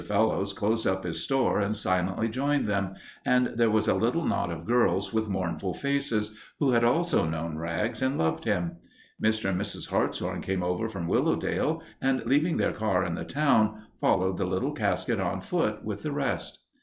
Fellowes closed up his store and silently joined them, and there was a little knot of girls with mournful faces, who had also known Rags and loved him. Mr. and Mrs. Hartshorn came over from Willowdale and, leaving their car in the town, followed the little casket on foot with the rest.